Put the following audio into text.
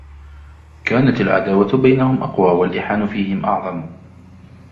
كَانَتْ الْعَدَاوَةُ بَيْنَهُمْ أَقْوَى وَالْإِحَنُ فِيهِمْ أَعْظَمَ